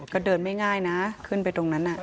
ก็เดินไม่ง่ายนะขึ้นไปตรงนั้น